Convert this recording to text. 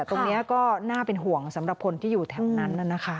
ตรงนี้ก็น่าเป็นห่วงสำหรับคนที่อยู่แถวนั้นนะคะ